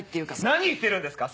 何言ってるんですか。